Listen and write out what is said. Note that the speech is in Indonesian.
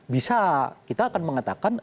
bisa kita akan mengatakan